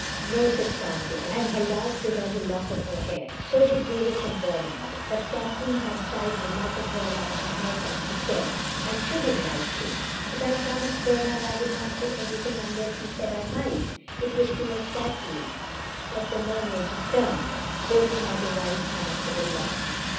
"No," said Francis, and held out to her the lock of her hair; so did Mavis and Bernard. But Kathleen had tied the lock of hair round her neck, and she said: "I should have liked to, but I promised Bernard I would not do anything unless he said I might." It was toward Kathleen that the Mermaid turned, holding out a white hand for the lock.